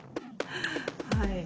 はい。